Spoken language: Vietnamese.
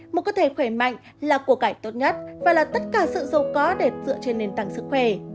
một cơ thể khỏe mạnh là cuộc cải tốt nhất và là tất cả sự dù có để dựa trên nền tảng sức khỏe